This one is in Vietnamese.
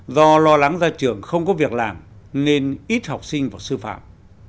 do lo lắng ra trường không có việc làm nên ít học sinh và sư phạm